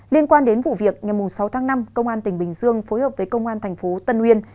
liên quan đến vụ việc ngày sáu tháng năm công an tỉnh bình dương phối hợp với công an thành phố tân uyên